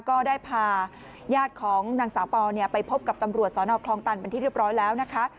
ก็ได้พาญาติของนางสาวปอไปพบกับตำรวจสนคลองตันเป็นที่เรียบร้อยแล้วนะคะ